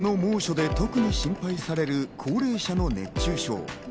この猛暑で特に心配される高齢者の熱中症。